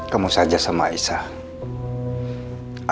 kamu saja sama aisyah